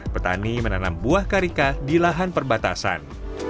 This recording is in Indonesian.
petani menanam buah karika di lahan perbatasan